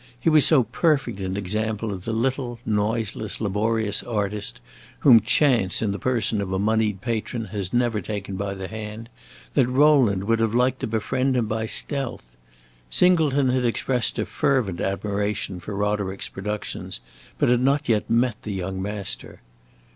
He was so perfect an example of the little noiseless, laborious artist whom chance, in the person of a moneyed patron, has never taken by the hand, that Rowland would have liked to befriend him by stealth. Singleton had expressed a fervent admiration for Roderick's productions, but had not yet met the young master.